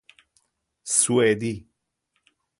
سوئدی